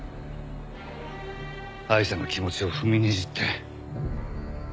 アイシャの気持ちを踏みにじって。